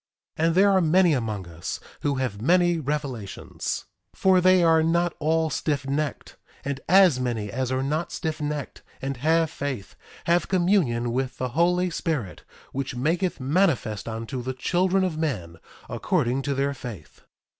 1:4 And there are many among us who have many revelations, for they are not all stiffnecked. And as many as are not stiffnecked and have faith, have communion with the Holy Spirit, which maketh manifest unto the children of men, according to their faith.